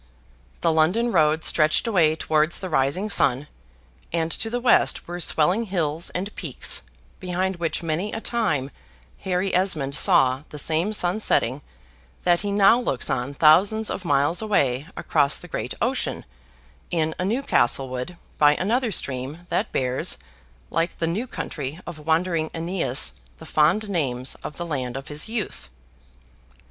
The London road stretched away towards the rising sun, and to the west were swelling hills and peaks, behind which many a time Harry Esmond saw the same sun setting, that he now looks on thousands of miles away across the great ocean in a new Castlewood, by another stream, that bears, like the new country of wandering AEneas, the fond names of the land of his youth.